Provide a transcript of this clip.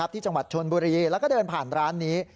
ที่จังหวัดชนบุรีแล้วก็เดินผ่านร้านนี้